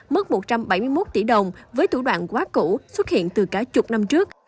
mất một trăm bảy mươi một tỷ đồng với thủ đoạn quá cũ xuất hiện từ cả chục năm trước